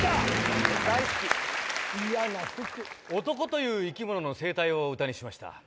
男という生き物の生態を歌にしました。